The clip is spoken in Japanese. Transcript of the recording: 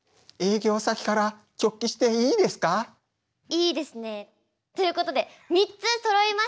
いいですね。ということで３つそろいました。